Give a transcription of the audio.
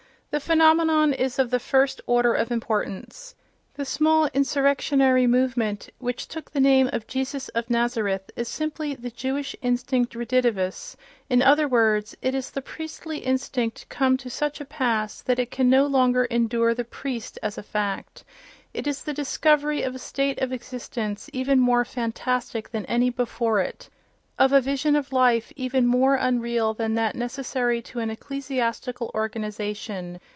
The phenomenon is of the first order of importance: the small insurrectionary movement which took the name of Jesus of Nazareth is simply the Jewish instinct redivivus—in other words, it is the priestly instinct come to such a pass that it can no longer endure the priest as a fact; it is the discovery of a state of existence even more fantastic than any before it, of a vision of life even more unreal than that necessary to an ecclesiastical organization.